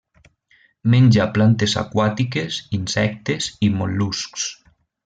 Menja plantes aquàtiques, insectes i mol·luscs.